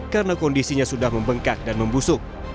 karena kondisinya sudah membengkak dan membusuk